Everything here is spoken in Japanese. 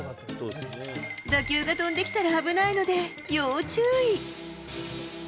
打球が飛んできたら危ないので、要注意。